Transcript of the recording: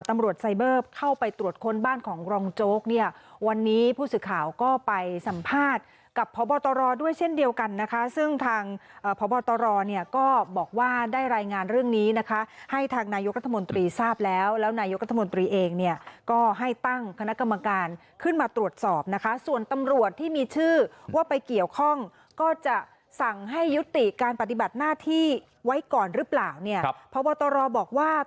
ตำรวจไซเบอร์เข้าไปตรวจคนบ้านของรองโจ๊ก